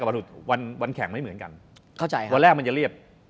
วันแรกวันแค่งไม่เหมือนกันวันแรกมันจะเรียบ